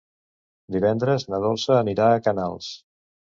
Divendres na Dolça anirà a Canals.